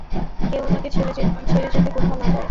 কেউ উনাকে ছেড়ে যাতে কোথাও না যায়।